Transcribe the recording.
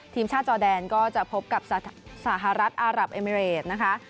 ทีมชาติจอแดนก็จะพบกับสหรัฐอารับเอมิเรดนะคะ